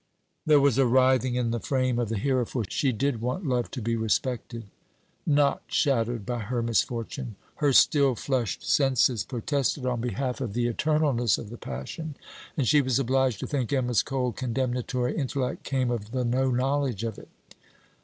There was a writhing in the frame of the hearer, for she did want Love to be respected; not shadowed by her misfortune. Her still flushed senses protested on behalf of the eternalness of the passion, and she was obliged to think Emma's cold condemnatory intellect came of the no knowledge of it.